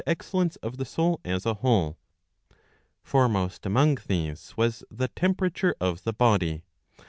. excellence of the soul as a whole. Foremost among these was the temperature of the body.